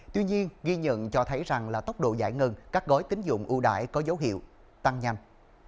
tuy nhiên ghi nhận cho thấy rằng là tốc độ giải ngân các gói tính dụng ưu đại có dấu hiệu tăng nhanh